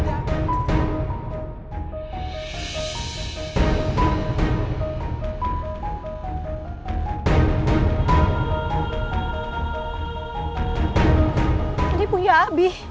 tadi punya abi